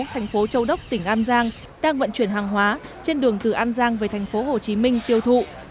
tp châu đốc tỉnh an giang đang vận chuyển hàng hóa trên đường từ an giang về tp hồ chí minh tiêu thụ